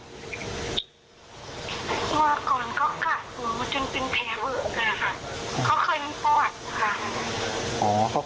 ก่อนก็กระดูกจนเป็นเพย์เวอะเลยค่ะ